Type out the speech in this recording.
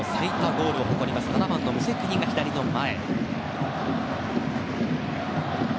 ゴールを誇る７番のムセクニが左の前。